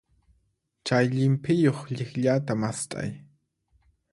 Chay llimp'iyuq llikllata mast'ay.